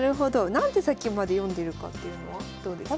何手先まで読んでるかっていうのはどうですか？